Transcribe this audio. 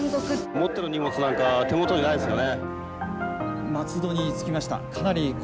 持ってる荷物なんか手元にないですからね。